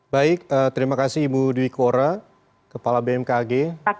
baik terima kasih ibu dewi quora kepala bmkg